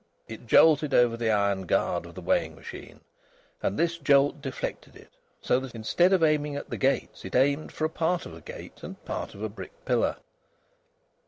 It jolted over the iron guard of the weighing machine, and this jolt deflected it, so that instead of aiming at the gates it aimed for part of a gate and part of a brick pillar.